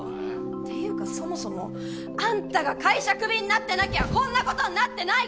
ていうかそもそもあんたが会社首になってなきゃこんなことになってないから！